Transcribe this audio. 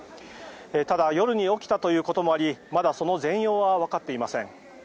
ただ夜に起きたということもありまだその全容はわかっていません。